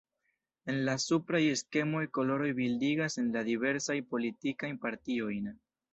En la supraj skemoj, koloroj bildigas la diversajn politikajn partiojn.